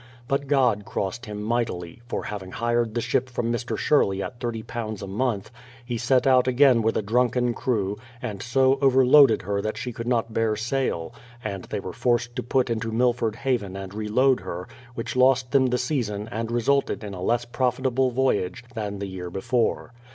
But God crossed him mightily, for having hired the ship from Mr. Sherley at £30 a month. THE PLYINIOUTH SETTLEMENT 235 he set out again with a drunken crew, and so overloaded her that she could not bear sail, and they were forced to put into Milford Haven and reload her, which lost them the season and resulted in a less profitable voyage than the year before.